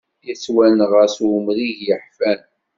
Yettwanɣa s umrig yeḥfan.